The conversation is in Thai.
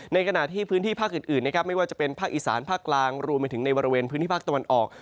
ในขณะที่พื้นที่ภาคอื่นนะครับไม่ว่าจะเป็นภาคอีสานภาคกลางรวมไปถึงในบริเวณพื้นที่ภาคตะวันออก